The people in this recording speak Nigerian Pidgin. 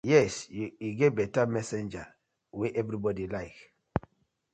Yes yu get betta messenger wey everybodi like.